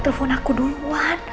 telepon aku duluan